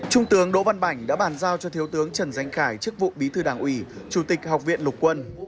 trung tướng đỗ văn bản đã bàn giao cho thiếu tướng trần danh khải chức vụ bí thư đảng ủy chủ tịch học viện lục quân